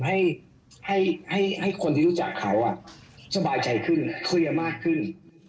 ให้ให้คนที่รู้จักเขาสบายใจขึ้นเคลียร์มากขึ้น